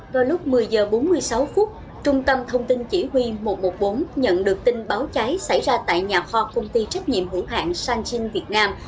vào lúc một mươi h bốn mươi sáu phút trung tâm thông tin chỉ huy một trăm một mươi bốn nhận được tin báo cháy xảy ra tại nhà kho công ty trách nhiệm hữu hạng sanchin việt nam